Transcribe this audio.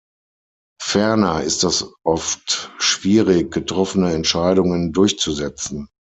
Ferner ist es oft schwierig, getroffene Entscheidungen durchzusetzen.